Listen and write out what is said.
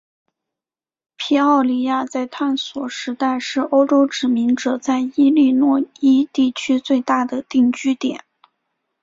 皮奥里亚在探索时代是欧洲殖民者在伊利诺伊地区最大的定居点。